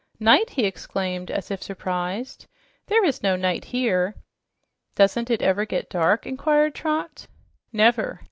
"Night!" he exclaimed as if surprised. "There is no night here." "Doesn't it ever get dark?" inquired Trot. "Never.